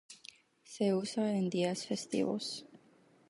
Se usa en días festivos.